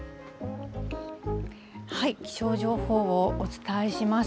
気象情報をお伝えします。